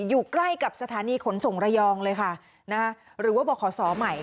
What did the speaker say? อยู่ใกล้กับสถานีขนส่งระยองเลยค่ะหรือว่าบอกขอสอใหม่